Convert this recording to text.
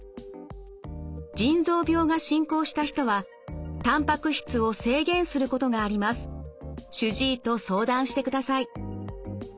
腎臓病が進行した人はたんぱく質を制限することがあります。主治医と相談してください。